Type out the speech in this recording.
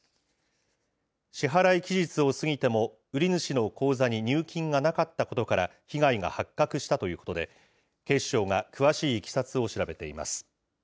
支払い期日を過ぎても、売り主の口座に入金がなかったことから被害が発覚したということで、警視庁が詳しいいきさつを調べています。